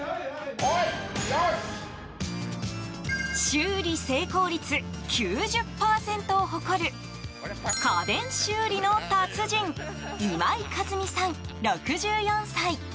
修理成功率９０％を誇る家電修理の達人今井和美さん、６４歳。